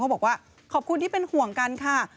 บอกว่าขอบคุณที่เป็นห่วงกันค่ะ